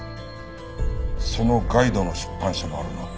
そのガイドの出版社もあるな。